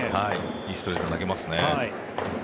いいストレートを投げますね。